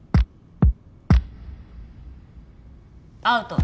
アウト。